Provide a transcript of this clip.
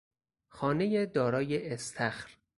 خانهی دارای استخر